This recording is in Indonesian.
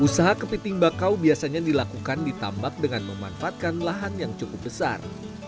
usaha kepiting bakau biasanya dilakukan di tambak dengan memanfaatkan lahan yang cukup besar